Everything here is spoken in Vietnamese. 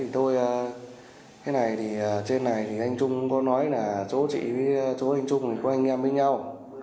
trên này anh trung có nói là chỗ chị với chỗ anh trung có anh em với nhau